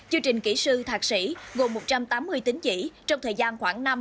chương trình kỹ sư thạc sĩ gồm một trăm tám mươi tính chỉ trong thời gian khoảng năm năm năm rưỡi